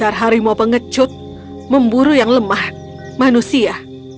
dasar harimau pengecut memburu yang lemah manusia